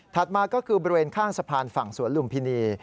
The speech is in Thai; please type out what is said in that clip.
มาก็คือบริเวณข้างสะพานฝั่งสวนลุมพินี